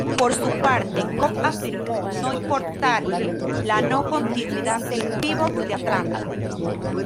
Por su parte, Kobe afirmó no importarle la no continuidad del pívot de Atlanta.